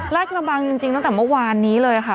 กระบังจริงตั้งแต่เมื่อวานนี้เลยค่ะ